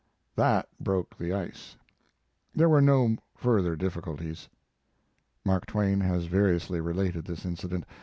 That broke the ice. There were no further difficulties. [Mark Twain has variously related this incident.